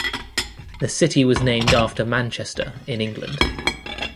The city was named after Manchester, in England.